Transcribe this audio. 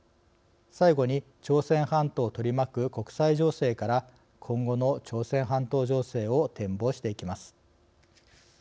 最後に、朝鮮半島を取り巻く国際情勢から今後の朝鮮半島情勢を展望していきます。